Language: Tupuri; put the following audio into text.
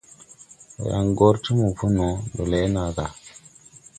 Ndɔ yaŋ gɔr ti mopo ndɔ lɛʼ nàa gà.